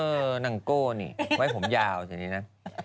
เออนางโก้นี่ไว้ผมยาวจริงน่ะ